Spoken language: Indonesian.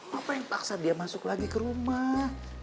apa yang paksa dia masuk lagi ke rumah